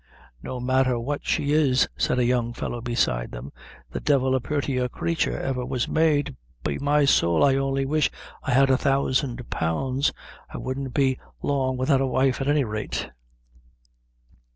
"No matther what she is," said a young fellow beside them; "the devil a purtier crature ever was made; be my soul, I only wish I had a thousand pounds, I wouldn't be long without a wife at any rate."